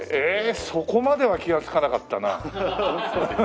ええっそこまでは気がつかなかったな。